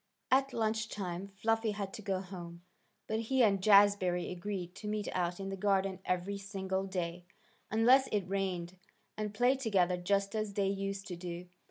At lunch time Fluffy had to go home, but he and Jazbury agreed to meet out in the garden every single day, unless it rained, and play together just as they used to do.